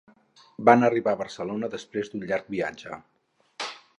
van arribar a Barcelona després d'un llarg viatge